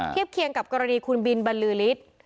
เทียบเคียงกับกรณีคุณบินบรรลือฤทธิ์